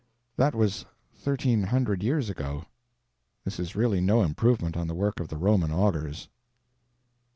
That was thirteen hundred years ago. This is really no improvement on the work of the Roman augurs.